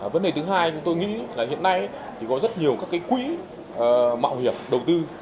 vấn đề thứ hai chúng tôi nghĩ là hiện nay thì có rất nhiều các quỹ mạo hiểm đầu tư